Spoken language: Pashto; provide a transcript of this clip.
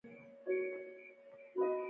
او دوه سوري يې د اوږدو څنډو په منځ کښې لرل.